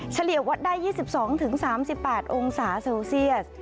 เฉียวัดได้๒๒๓๘องศาเซลเซียส